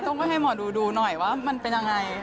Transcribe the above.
ต้องไปให้หมอดูดูหน่อยว่ามันเป็นยังไง